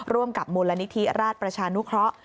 ร่วมกับมูลนิกฤทธิราชประชานุคระ